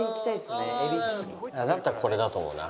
だったらこれだと思うな。